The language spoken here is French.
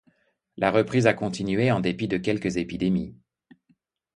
La reprise a continué en dépit de quelques épidémies.